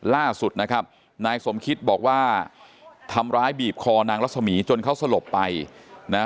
ล่าสุดนะครับนายสมคิตบอกว่าทำร้ายบีบคอนางรัศมีจนเขาสลบไปนะฮะ